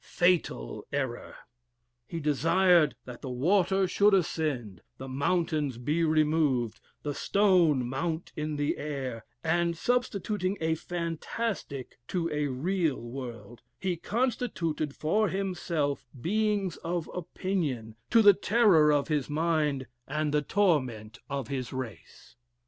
Fatal error! He desired that the water should ascend, the mountains be removed, the stone mount in the air; and substituting a fantastic to a real world, he constituted for himself beings of opinion, to the terror of his mind and the torment of his race.